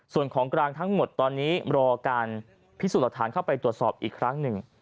ส่วนของกลางทั้งหมดตอนนี้รอการพิสูจน์หลักฐานเข้าไปตรวจสอบอีกครั้งหนึ่ง